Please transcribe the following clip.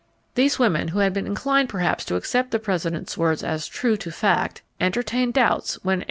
Those women who had been inclined perhaps to accept the President's words as true to fact, entertained doubts when a